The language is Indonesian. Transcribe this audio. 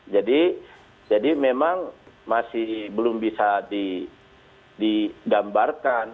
jadi jadi memang masih belum bisa didambarkan